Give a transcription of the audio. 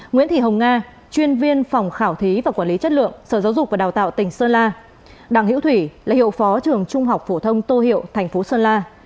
nguyễn thị hồng nga chuyên viên phòng khảo thí và quản lý chất lượng sở giáo dục và đào tạo tỉnh sơn la đặng hiễu thủy là hiệu phó trường trung học phổ thông tô hiệu thành phố sơn la